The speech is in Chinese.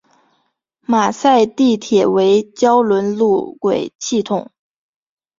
马赛地铁为胶轮路轨系统。